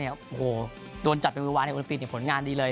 โอ้โหโดนจับไปมือวางในโอลิมปิกผลงานดีเลย